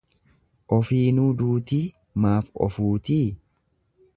ofiinuu duutii maaf ofuutii?